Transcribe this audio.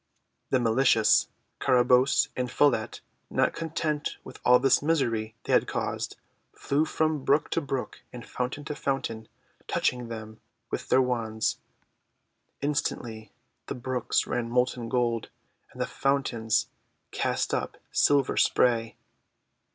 The malicious Carabosse and Follette, not content with all this misery they had caused, flew from brook to brook and fountain to foun tain, touching them with then* wands. Instantly the brooks ran molten gold, and the fountains cast up silver spray.